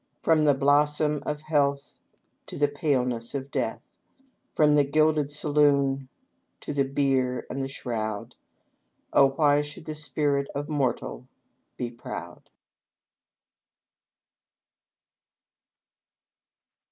From the blossom of health to the paleness of death, From the gilded saloon to the bier and the shroud, — Oh, why should the spirit of mortal be proud